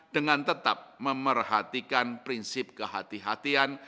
dengan tetap memerhatikan prinsip kehati hatian